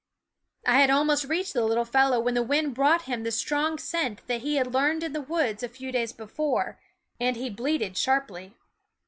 I had almost reached the little fellow when the wind brought him the strong scent that he had learned in the woods a few days before, and he bleated sharply.